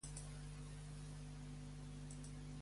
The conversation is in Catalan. Arribada dels Reis amb el Tren de la Pobla.